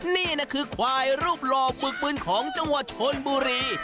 นี่คือควายรูปหลอบบึกบึนของจังหวะชนบุรี